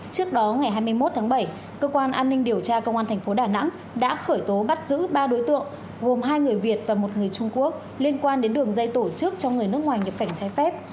trước đó ngày hai mươi một tháng bảy cơ quan an ninh điều tra công an thành phố đà nẵng đã khởi tố bắt giữ ba đối tượng gồm hai người việt và một người trung quốc liên quan đến đường dây tổ chức cho người nước ngoài nhập cảnh trái phép